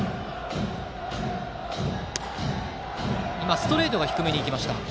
ストレートが低めに行きました。